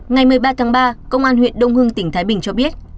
ngày một mươi ba tháng ba công an huyện đông hưng tỉnh thái bình cho biết